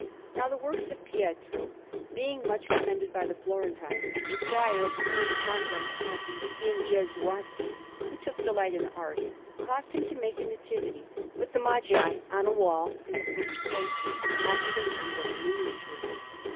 Now, the works of Pietro being much commended by the Florentines, a Prior of the same Convent of the Ingesuati, who took delight in art, caused him to make a Nativity, with the Magi, on a wall in the first cloister, after the manner of a miniature.